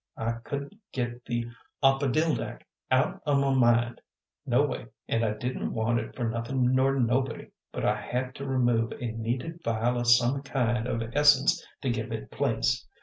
I couldn't git the opodildack out o' my mind noway, and I didn't want it for nothin' nor nobody, but I had to remove a needed vial o' some kind of essence to give it place.